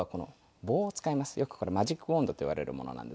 よくこれマジックウォンドといわれるものなんですが。